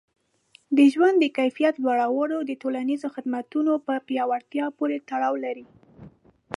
د ژوند د کیفیت لوړول د ټولنیزو خدمتونو په پیاوړتیا پورې تړاو لري.